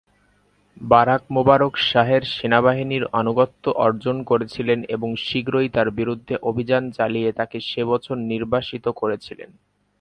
Barack Mubarak শাহের সেনাবাহিনীর আনুগত্য অর্জন করেছিলেন এবং শীঘ্রই তার বিরুদ্ধে অভিযান চালিয়ে তাকে সে বছর নির্বাসিত করেছিলেন।